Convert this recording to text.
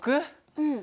うん。